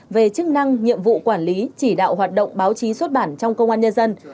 về chức năng nhiệm vụ quản lý chỉ đạo hoạt động báo chí xuất bản trong công an nhân dân